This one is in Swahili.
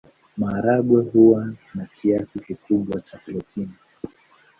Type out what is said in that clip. Maharagwe huwa na kiasi kikubwa cha protini.